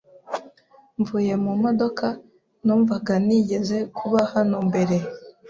Mvuye mu modoka, numvaga nigeze kuba hano mbere.